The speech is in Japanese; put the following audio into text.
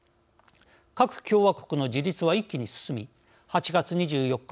各共和国の自立は一気に進み８月２４日